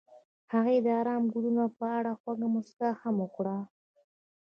هغې د آرام ګلونه په اړه خوږه موسکا هم وکړه.